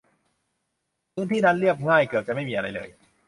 พื้นที่นั้นเรียบง่าย เกือบจะไม่มีอะไรเลย